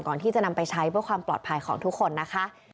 ก่อนที่จะนำไปใช้เพื่อความปลอดภัยของทุกคนนะคะ